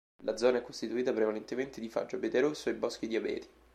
La zona è costituita prevalentemente di faggio, abete rosso, e boschi di abeti.